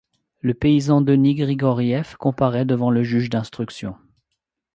Le paysan Denis Grigoriev comparaît devant le juge d’instruction.